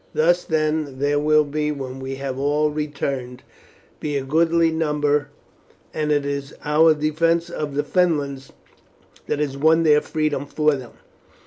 Thus, then, there will, when all have returned, be a goodly number, and it is our defence of the Fenlands that has won their freedom for them.